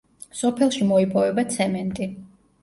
სოფელში მოიპოვება ცემენტი.